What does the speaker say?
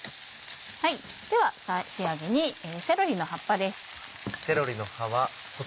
では仕上げにセロリの葉っぱです。